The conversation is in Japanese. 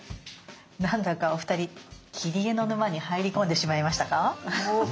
なんだかお二人切り絵の沼に入り込んでしまいましたか？